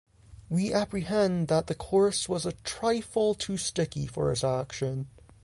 We apprehend that the course was a trifle too sticky for his action.